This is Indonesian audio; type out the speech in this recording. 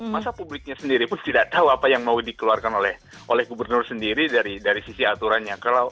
masa publiknya sendiri pun tidak tahu apa yang mau dikeluarkan oleh gubernur sendiri dari sisi aturannya